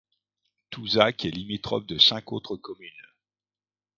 Touzac est limitrophe de cinq autres communes.